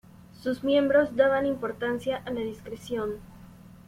Sus miembros daban importancia a la discreción.